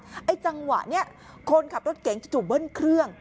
ในจังหวะเนี่ยคนขับรถเก่งจะสู่เบิ่นเครื่อง